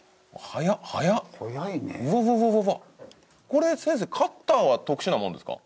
これ先生カッターは特殊なものですか？